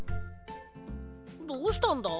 どうしたんだ？